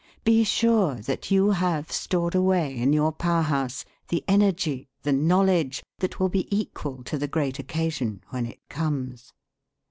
Be sure that you have stored away, in your power house, the energy, the knowledge that will be equal to the great occasion when it comes.